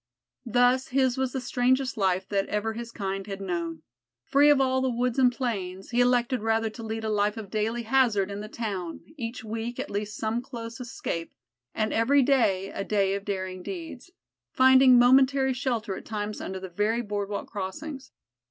Thus his was the strangest life that ever his kind had known. Free of all the woods and plains, he elected rather to lead a life of daily hazard in the town each week at least some close escape, and every day a day of daring deeds; finding momentary shelter at times under the very boardwalk crossings.